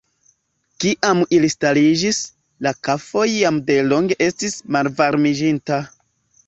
Kiam ili stariĝis, la kafo jam delonge estis malvarmiĝinta.